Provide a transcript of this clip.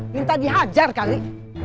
minta dihajar kali